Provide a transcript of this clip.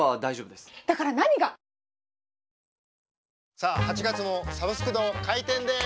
さあ８月も「サブスク堂」開店です！